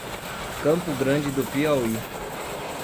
Campo Grande do Piauí